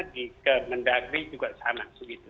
di kemendagri juga sama